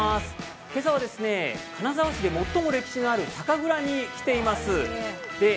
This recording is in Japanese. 今朝は金沢市で最も歴史のある酒蔵に来ています。